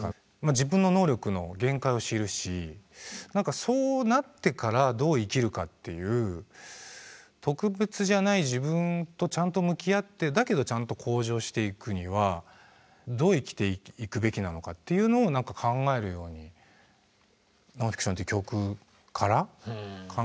自分の能力の限界を知るし何かそうなってからどう生きるかっていう特別じゃない自分とちゃんと向き合ってだけどちゃんと向上していくにはどう生きていくべきなのかっていうのを何か考えるように「ノンフィクション」っていう曲から考えるようになった気はします。